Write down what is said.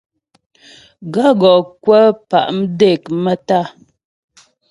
Gàə́ gɔ kwə̂ pá' mdék maə́tá'a.